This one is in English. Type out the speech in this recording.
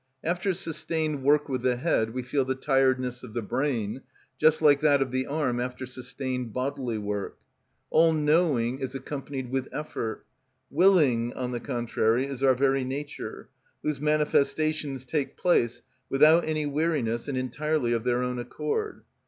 After sustained work with the head we feel the tiredness of the brain, just like that of the arm after sustained bodily work. All knowing is accompanied with effort; willing, on the contrary, is our very nature, whose manifestations take place without any weariness and entirely of their own accord.